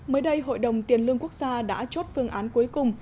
mới đây hội đồng tiền lương quốc gia đã chốt phương án cuối cùng